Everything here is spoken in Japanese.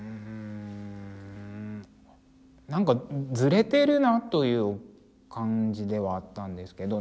なんかズレてるなという感じではあったんですけど。